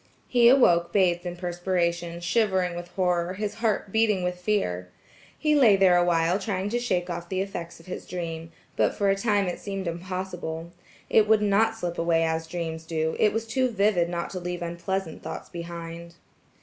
He awoke bathed in perspiration, shivering with horror, his heart beating with fear. He lay there a while trying to shake off the effects of his dream, but for a time it seemed impossible; it would not slip away as dreams do; it was too vivid not to leave unpleasant thoughts behind.